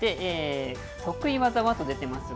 得意技はと出てますが。